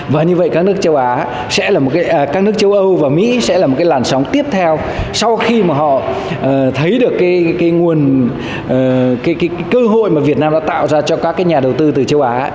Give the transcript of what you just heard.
và như vậy các nước châu âu và mỹ sẽ là một cái làn sóng tiếp theo sau khi mà họ thấy được cái cơ hội mà việt nam đã tạo ra cho các cái nhà đầu tư từ châu á